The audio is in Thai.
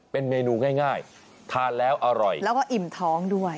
เป็นเมนูง่ายทานแล้วอร่อย